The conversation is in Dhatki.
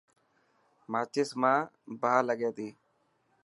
ماچس مان باهه لگي تي.